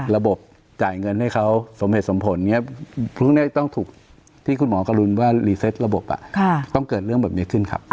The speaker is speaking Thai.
ระบบจ่ายเงินให้เขาสมเหตุสมผลเนี่ยพรุ่งนี้ต้องถูกที่คุณหมอกรุณว่ารีเซตระบบต้องเกิดเรื่องแบบนี้ขึ้นครับ